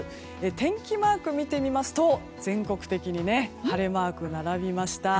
天気マークを見てみますと全国的に晴れマークが並びました。